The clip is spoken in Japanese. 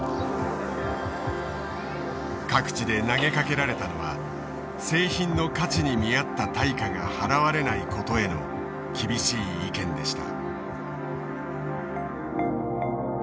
各地で投げかけられたのは製品の価値に見合った対価が払われないことへの厳しい意見でした。